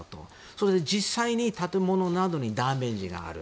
それで実際に建物などにダメージがある。